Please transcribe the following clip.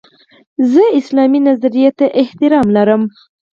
زه اسلامي نظرې ته احترام لرم.